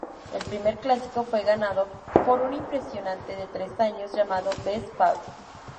El primer Clásico fue ganado por un impresionante de tres años llamado Best Pal.